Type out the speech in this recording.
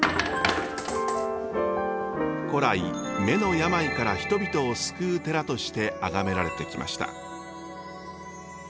古来目の病から人々を救う寺としてあがめられてきました。